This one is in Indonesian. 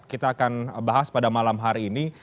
kita akan bahas pada malam hari ini